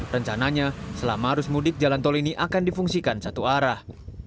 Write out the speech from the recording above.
rencananya selama arus mudik jalan tol ini akan difungsikan satu arah